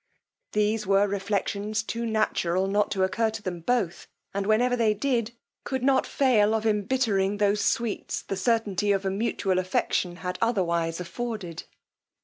These were reflections too natural not to occur to them both, and whenever they did, could not fail of embittering those sweets the certainty of a mutual affection had otherwise afforded.